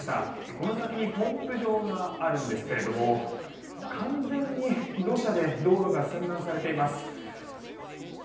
この先にポンプ場があるんですけども完全に土砂で道路が寸断されています。